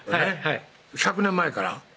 はい１００年前から？